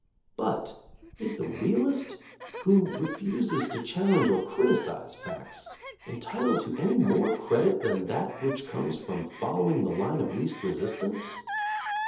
But is the realist, who refuses to chal lenge or criticize facts, entitled to any more credit than that which comes from following the line of least resistance?